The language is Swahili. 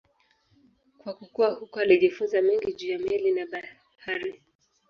Kwa kukua huko alijifunza mengi juu ya meli na bahari.